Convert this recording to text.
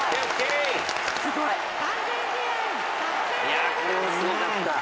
いやあこれもすごかった。